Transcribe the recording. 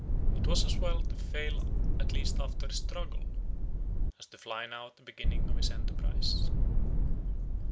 It was as well to fail at last after a struggle, as to fly now at the beginning of his enterprise.